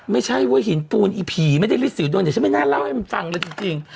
ไม่ใช่เว้ยหินปูนอีผีไม่ได้ฤทธิ์สีดวงแต่ฉันไม่น่าเล่าให้มันฟังเลยจริงจริง